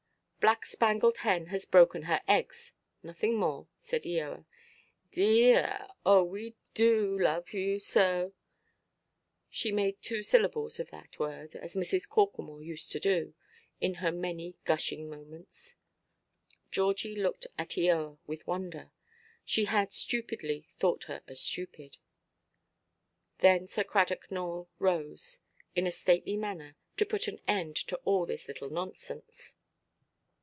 "Black–spangled hen has broken her eggs. Nothing more," said Eoa. "De–ar, oh we do love you so!" She made two syllables of that word, as Mrs. Corklemore used to do, in her many gushing moments. Georgie looked at Eoa with wonder. She had stupidly thought her a stupid. Then Sir Cradock Nowell rose, in a stately manner, to put an end to all this little nonsense.